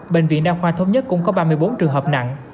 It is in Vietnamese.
bệnh viện đa khoa thống nhất cũng có ba mươi bốn trường hợp nặng